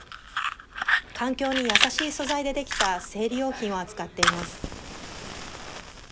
環境に優しい素材で出来た生理用品を扱っています。